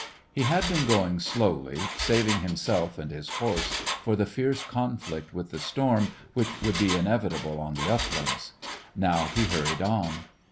He had been going slowly, saving himself and his horse for the fierce conflict with the storm which would be inevitable on the uplands. Now he hurried on.